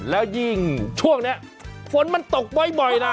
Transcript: แล้วยิ่งช่วงนี้ฝนมันตกบ่อยนะ